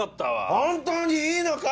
本当にいいのか？